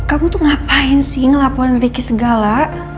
kamu tuh ngapain sih ngelaporin ricky segala